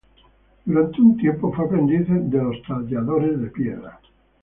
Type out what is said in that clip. Durante un tiempo fue aprendiz de los talladores de piedra.